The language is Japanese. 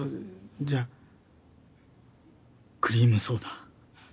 じゃあクリームソーダ。